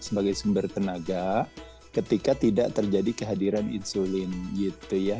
sebagai sumber tenaga ketika tidak terjadi kehadiran insulin gitu ya